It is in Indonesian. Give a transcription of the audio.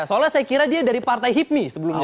soalnya saya kira dia dari partai hipmi sebelumnya